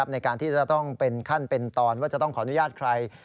ในการที่จะต้องเป็นขั้นเป็นตอนว่าจะต้องขออนุญาตใคร